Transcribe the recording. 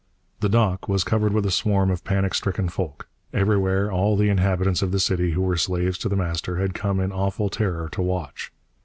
The dock was covered with a swarm of panic stricken folk. Everywhere, all the inhabitants of the city who were slaves to The Master had come in awful terror to watch.